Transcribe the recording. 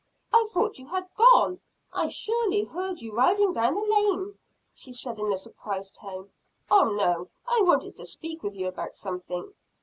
"I thought you had gone. I surely heard you riding down the lane," she said in a surprised tone. "Oh, no, I wanted to speak with you about something."